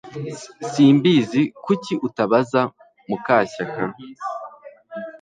S Simbizi Kuki utabaza mukashyaka